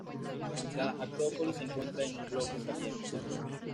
La acrópolis se encuentra en un bloque saliente.